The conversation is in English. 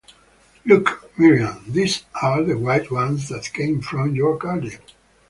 Look, Miriam; these are the white ones that came from your garden.